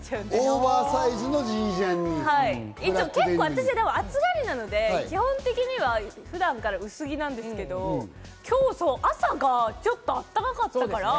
私、結構暑がりなので、普段から薄着なんですけど、今日朝がちょっと、あったたかったから。